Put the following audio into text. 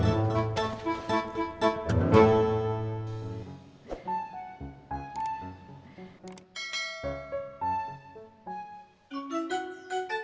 beritahulah dari pandangan sheilanda oke